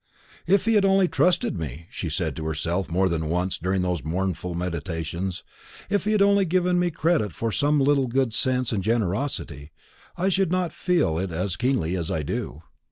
"If he had only trusted me," she said to herself more than once during those mournful meditations; "if he had only given me credit for some little good sense and generosity, I should not feel it as keenly as I do.